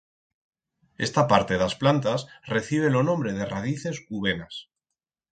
Esta parte d'as plantas recibe lo nombre de radices u venas.